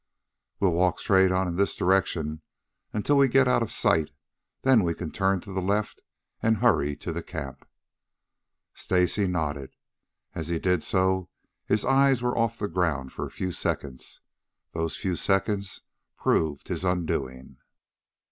"We'll walk straight on in this direction, until we get out of sight; then we can turn to the left and hurry to the camp." Stacy nodded. As he did so his eyes were off the ground for a few seconds. Those few seconds proved his undoing.